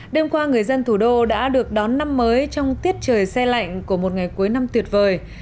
đêm qua người dân thủ đô đã được đón năm mới trong tiết trời xe lạnh của một ngày cuối năm tuyệt vời